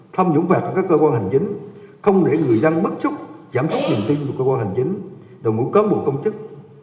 thâm nhũng vào các cơ quan hành chính không để người dân bất xúc giảm súc nhìn tin của cơ quan hành chính đồng hữu cán bộ công chức